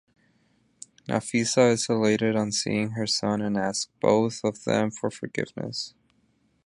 Nafisa is elated on seeing her son and asks both of them for forgiveness.